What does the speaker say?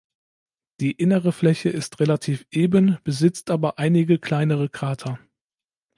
Die innere Fläche ist relativ eben, besitzt aber einige kleinere Krater.